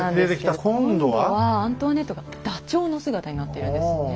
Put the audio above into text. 今度はアントワネットがダチョウの姿になっているんですね。